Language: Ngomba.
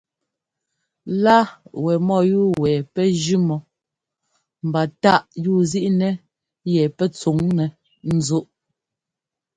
Lá wɛ mɔ́yúu wɛ pɛ́ jʉ́ mɔ mba táꞌ yúuzíꞌnɛ yɛ pɛ́ tsuŋnɛ́ ńzúꞌ.